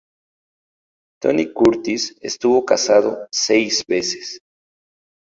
Tony Curtis estuvo casado seis veces.